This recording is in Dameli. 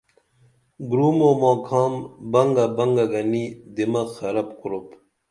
گُرُم اُو ماکھام بنگا بنگا گنی دماغ خراب کُرُپ